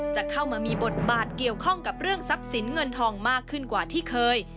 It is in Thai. จะเข้ามามีบทบาทเกี่ยวข้องกับเรื่องทรัพย์สินเงินทองมากขึ้นกว่าที่เคย